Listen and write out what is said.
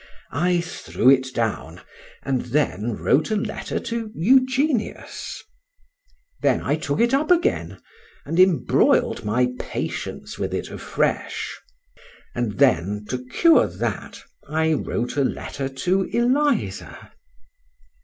—I threw it down; and then wrote a letter to Eugenius;—then I took it up again, and embroiled my patience with it afresh;—and then to cure that, I wrote a letter to Eliza.